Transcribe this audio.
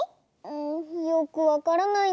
んよくわからないんだ。